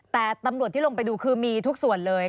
แต่ตำรวจที่ลงไปดูคือมีทุกส่วนเลย